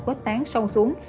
quét tán sâu xuống